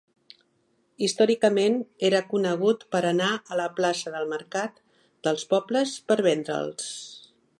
Històricament era conegut per anar a la plaça del mercat dels pobles per vendre'ls.